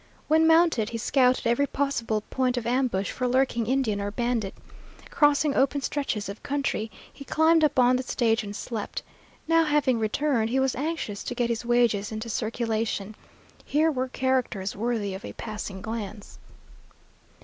When mounted, he scouted every possible point of ambush for lurking Indian or bandit. Crossing open stretches of country, he climbed up on the stage and slept. Now having returned, he was anxious to get his wages into circulation. Here were characters worthy of a passing glance.